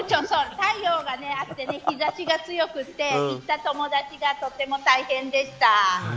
太陽があって日差しが強くて行った友達がとても大変でした。